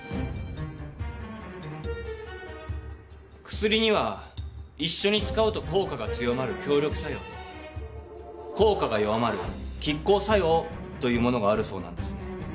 薬には一緒に使うと効果が強まる協力作用と効果が弱まる拮抗作用というものがあるそうなんですね。